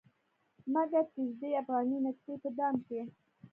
مګر کښيږدي افغاني نتکۍ په دام کې